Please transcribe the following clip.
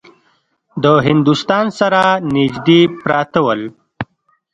د هندوستان سره نیژدې پراته ول.